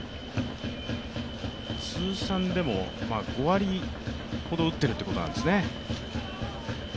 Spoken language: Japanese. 通算でも５割ほど打っているということなんですね。